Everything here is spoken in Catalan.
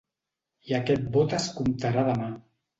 I aquest vot es comptarà demà.